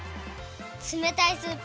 つめたいスープ